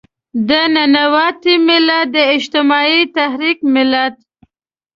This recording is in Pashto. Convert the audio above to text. د ننواتې ملت، د اجتماعي تحرک ملت.